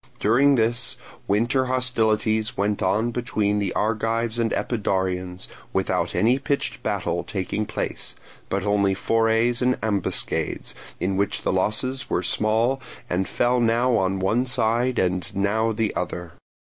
During this winter hostilities went on between the Argives and Epidaurians, without any pitched battle taking place, but only forays and ambuscades, in which the losses were small and fell now on one side and now on the other.